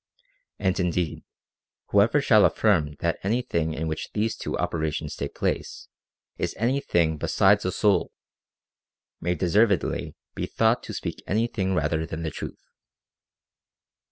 And indeed, whoever shall affirm that any thing in which these two operations take place is any thing besides a soul, may deservedly be thought to speak any thing rather than the truth."